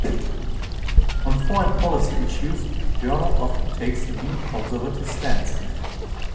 On foreign policy issues, the journal often takes a neoconservative stance.